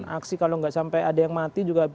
aksi kalau nggak sampai ada yang mati juga